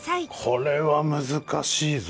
これは難しいぞ。